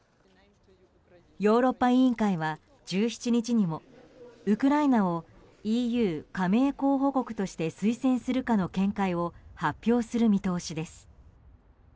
ヨーロッパ委員会は１７日にもウクライナをＥＵ加盟候補国として推薦するかの見解を発表する見通しです。